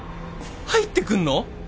入ってくんの？